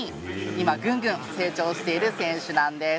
今、グングン成長している選手なんです。